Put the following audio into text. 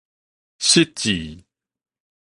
失志